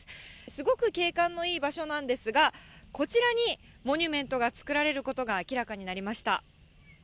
すごく景観のいい場所なんですが、こちらにモニュメントが作られることが明らかになりました。